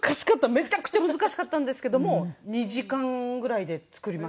めちゃくちゃ難しかったんですけども２時間ぐらいで作りました。